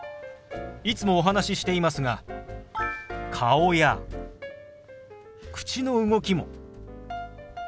いつもお話ししていますが顔や口の動きも手話の一部ですよ。